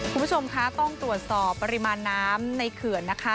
คุณผู้ชมคะต้องตรวจสอบปริมาณน้ำในเขื่อนนะคะ